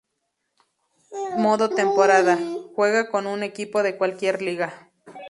Modo Temporada: Juega con un equipo de cualquier liga.